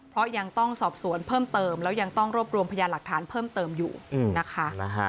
เพราะยังต้องสอบสวนเพิ่มเติมแล้วยังต้องรวบรวมพยานหลักฐานเพิ่มเติมอยู่นะคะ